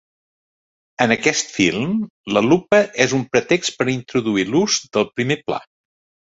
En aquest film, la lupa és un pretext per introduir l'ús del primer pla.